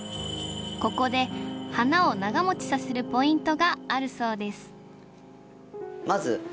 ここで花を長もちさせるポイントがあるそうです